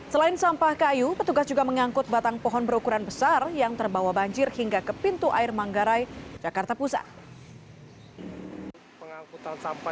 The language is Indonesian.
selain sampah kayu petugas juga mengangkut batang pohon berukuran besar yang terbawa banjir hingga ke pintu air manggarai jakarta pusat